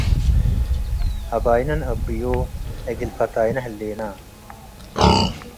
አባይነ ነአብዮ - እግል ፈታይነ ህሌና